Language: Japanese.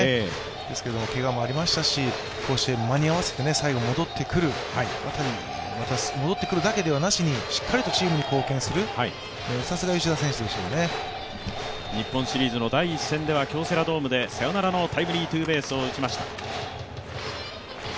ですけど、けがもありましたし、甲子園に間に合わせて最後戻ってくるあたり、戻ってくるだけではなしにしっかりとチームに貢献する、さすが吉田選手ですよね。日本シリーズの第１戦では京セラドームで、サヨナラのタイムリーツーベースを打ちました。